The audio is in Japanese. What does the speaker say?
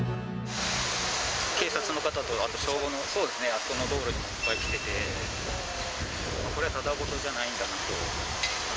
警察の方と、あと消防と、あそこの道路にもいっぱい来てて、これはただごとじゃないんだなと。